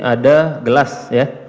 ada gelas ya